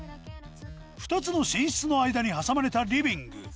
２つの寝室の間に挟まれたリビング